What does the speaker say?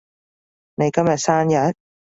你今日生日？